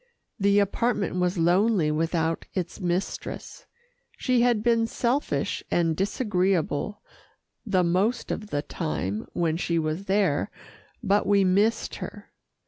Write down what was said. The apartment was lonely without its mistress. She had been selfish and disagreeable the most of the time when she was there, but we missed her.